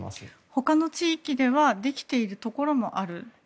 ほかの地域ではできているところもありますか？